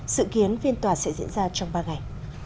sự kiến phiên tòa sẽ diễn ra trong ba ngày